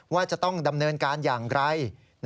ว่าจะต้องดำเนินการอย่างไร